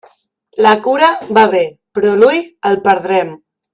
La cura va bé, però l'ull el perdrem.